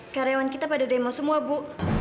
karyawan kita pada demo semua bu